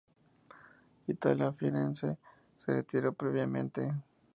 Italia Firenze se retiró previamente.